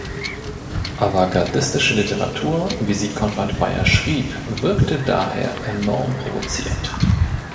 Avantgardistische Literatur, wie sie Konrad Bayer schrieb, wirkte daher enorm provozierend.